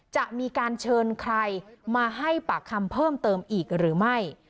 จะมีการเชิญใครมาให้ปากคำเพิ่มเติมอีกหรือไม่